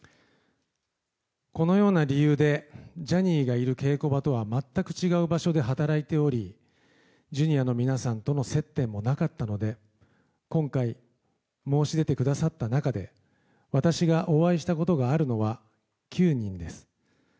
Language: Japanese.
このような理由でジャニーがいる稽古場とは全く違う場所で働いておりＪｒ．の皆さんとの接点もなかったので今回、申し出てくださった中で私がお会いしたことがあるのは９人です。